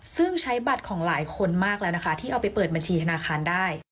ซึ่งใช้บัตรของหลายคนมากแล้วนะคะที่เอาไปเปิดบัญชีธนาคารได้